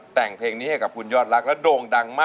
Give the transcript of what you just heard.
แต่งเพลงนี้ให้กับคุณยอดรักและโด่งดังมาก